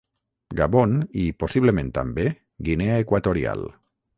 Gabon i, possiblement també, Guinea Equatorial.